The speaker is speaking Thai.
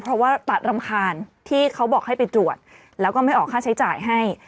เพราะว่าตัดรำคาญที่เขาบอกให้ไปตรวจแล้วก็ไม่ออกค่าใช้จ่ายให้